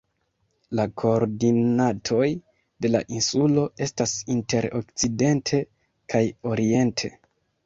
La koordinatoj de la insulo estas inter okcidente kaj oriente.